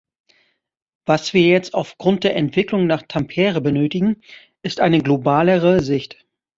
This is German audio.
Was wir jetzt aufgrund der Entwicklung nach Tampere benötigen, ist eine globalere Sicht.